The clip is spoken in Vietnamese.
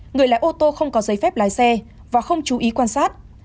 người lái ô tô không có giấy phép lái xe và không chú ý quan sát